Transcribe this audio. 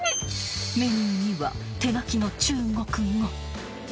［メニューには手書きの中国語］